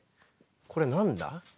これは何だ？